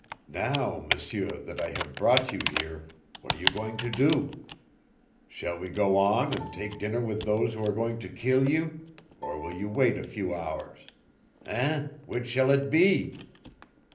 "Now, M'seur, that I have brought you here what are you going to do? Shall we go on and take dinner with those who are going to kill you, or will you wait a few hours? Eh, which shall it be?"